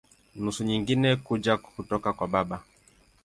Nusu nyingine kuja kutoka kwa baba.